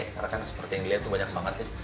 karena kan seperti yang dilihat tuh banyak banget